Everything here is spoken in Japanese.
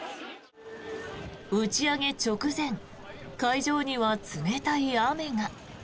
打ち上げ直前会場には冷たい雨が。